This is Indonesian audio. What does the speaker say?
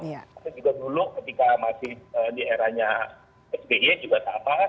itu juga dulu ketika masih di eranya sbi juga sama